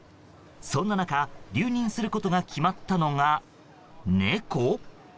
そんな中、留任することが決まったのが猫？